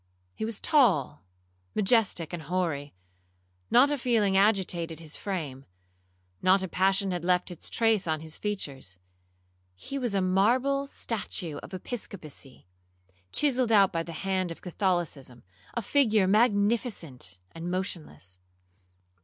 He was tall, majestic, and hoary; not a feeling agitated his frame—not a passion had left its trace on his features. He was a marble statue of Episcopacy, chiselled out by the hand of Catholicism,—a figure magnificent and motionless.